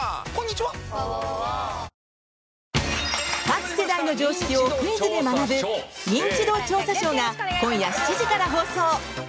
各世代の常識をクイズで学ぶ「ニンチド調査ショー」が今夜７時から放送。